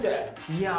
いや。